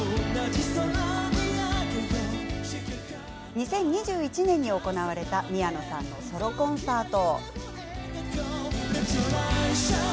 ２０２１年に行われた宮野さんのソロコンサート。